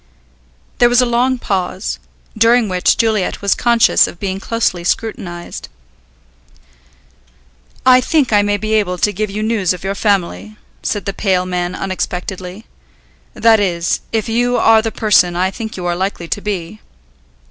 There was a long pause, during which Juliet was conscious of being closely scrutinized. "I think I may be able to give you news of your family," said the pale man unexpectedly. "That is, if you are the person I think you are likely to be."